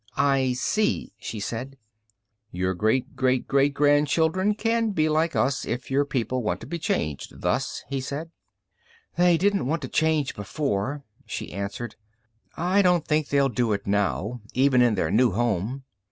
"I see," she said. "Your great great great grandchildren can be like us, if your people want to be changed thus," he said. "They didn't want to change before," she answered. "I don't think they'll do it now, even in their new home."